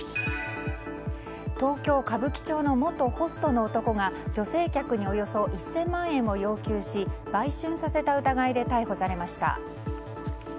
東京・歌舞伎町の元ホストの男が女性客におよそ１０００万円を要求し売春させた疑いで逮捕されました。